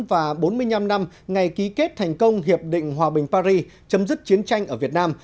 và bốn mươi năm năm ngày ký kết thành công hiệp định hòa bình paris chấm dứt chiến tranh ở việt nam